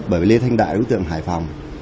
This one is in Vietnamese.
bởi lê thanh đại đối tượng hải phòng